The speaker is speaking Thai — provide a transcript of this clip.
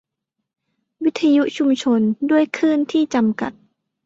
วิทยุชุมชน : ด้วยคลื่นที่จำกัด